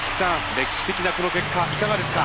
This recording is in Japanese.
歴史的なこの結果いかがですか？